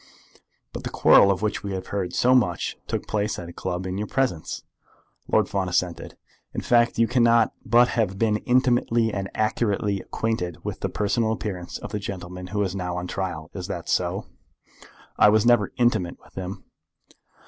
"But the quarrel of which we have heard so much took place at a club in your presence?" Lord Fawn assented. "In fact you cannot but have been intimately and accurately acquainted with the personal appearance of the gentleman who is now on his trial. Is that so?" "I never was intimate with him."